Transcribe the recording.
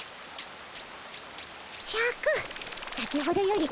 シャク先ほどより軽いの。